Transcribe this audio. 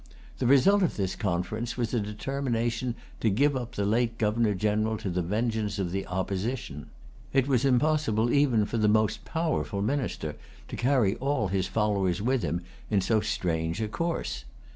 The result of this conference was a determination to give up the late Governor General to the vengeance of the Opposition. It was impossible even for the most powerful minister to carry all his followers with him in so strange a course.